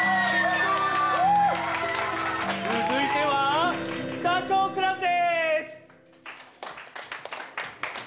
続いてはダチョウ倶楽部でーす！